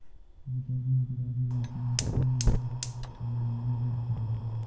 په کتابونو کې راغلې تیوري ګانې یوه وړه برخه ده.